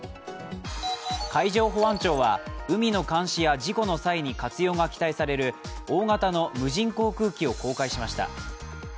海上保安庁は海の監視や事故の際に活用が期待される大型の無人航空機を公開しました。